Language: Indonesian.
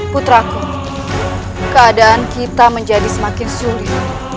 putraku keadaan kita menjadi semakin sulit